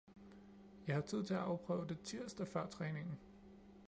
Jeg har tid til at afprøve det tirsdag før træningen